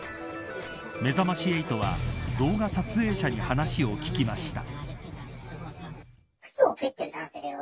めざまし８は動画撮影者に話を聞きました。